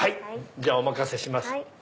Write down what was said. じゃあお任せします。